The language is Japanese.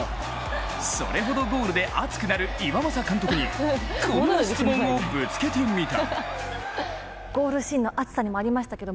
それほどゴールで熱くなる岩政監督にこんな質問をぶつけてみた。